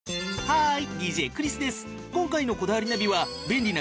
はい。